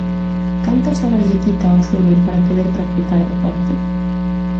Cantas horas lle quita ao sono para poder practicar deporte?